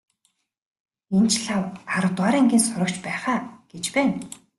Энэ ч лав аравдугаар ангийн сурагч байх аа гэж байна.